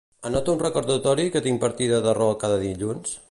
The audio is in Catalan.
Anota un recordatori que tinc partida de rol cada dilluns?